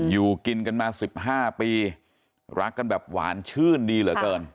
อยู่กินกันมา๑๕ปีรักกันแบบหวานชื่นดีเหลือเกิน